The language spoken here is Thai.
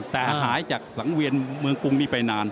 แต่หายจากสังเวียนเมืองกรุงนี้ไปนาน